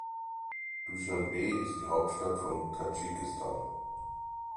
Duschanbe ist die Hauptstadt von Tadschikistan.